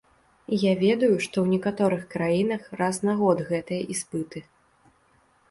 Я ведаю, што ў некаторых краінах раз на год гэтыя іспыты.